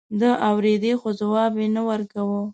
ده اورېدې خو ځواب يې نه ورکاوه.